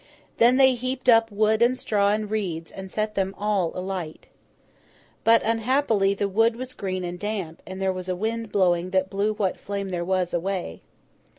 Then they heaped up wood and straw and reeds, and set them all alight. But, unhappily, the wood was green and damp, and there was a wind blowing that blew what flame there was, away.